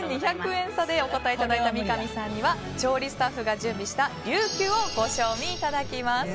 １２００円差でお答えいただいた三上さんには調理スタッフが準備したりゅうきゅうをご賞味いただきます。